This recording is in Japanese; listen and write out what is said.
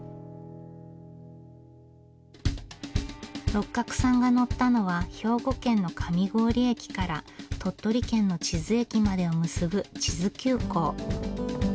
六角さんが乗ったのは兵庫県の上郡駅から鳥取県の智頭駅までを結ぶ智頭急行。